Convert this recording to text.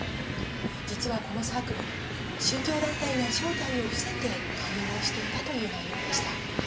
実は、このサークル宗教団体が正体を伏せて勧誘をしていたという内容でした。